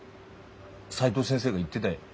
斉藤先生が言ってだよ。